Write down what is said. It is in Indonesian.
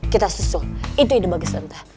kita susul itu ide bagus tante